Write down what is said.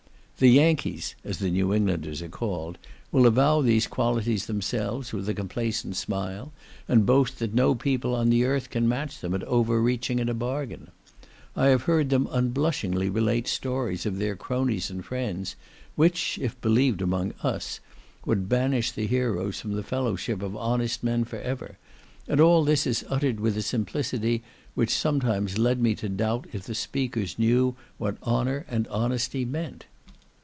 The yankees (as the New Englanders are called) will avow these qualities themselves with a complacent smile, and boast that no people on the earth can match them at over reaching in a bargain. I have heard them unblushingly relate stories of their cronies and friends, which, if believed among us, would banish the heroes from the fellowship of honest men for ever; and all this is uttered with a simplicity which sometimes led me to doubt if the speakers knew what honour and honesty meant.